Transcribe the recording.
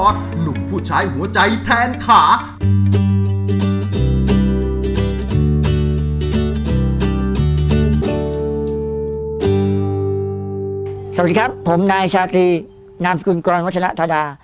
สวัสดีครับผมนายชาตรีนามสกุลกรวัชละธดา